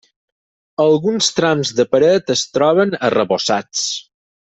Alguns trams de paret es troben arrebossats.